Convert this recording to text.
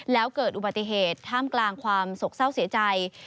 แล้วเกิดอุบัติเหตุท่ามกลางความสกเศร้าเสียใจ